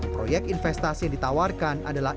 proyek investasi yang ditawarkan adalah